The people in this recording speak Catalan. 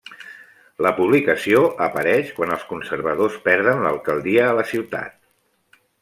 La publicació apareix quan els conservadors perden l'alcaldia a la ciutat.